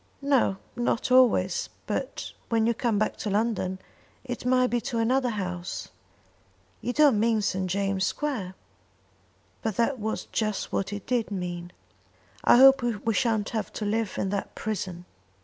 "No, not always; but when you come back to London it may be to another house." "You don't mean St. James' Square?" But that was just what he did mean. "I hope we shan't have to live in that prison."